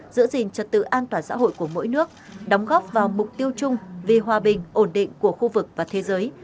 giữ gìn trật tự an toàn xã hội của mỗi nước đóng góp vào mục tiêu chung vì hòa bình ổn định của khu vực và thế giới